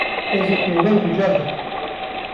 Ez ê peyvan ducar bikim.